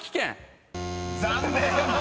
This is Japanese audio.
［残念！］